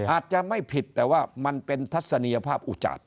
อาจจะไม่ผิดแต่ว่ามันเป็นทัศนียภาพอุจาต